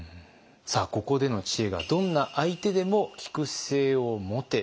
さあここでの知恵が「どんな相手でも聞く姿勢を持て」。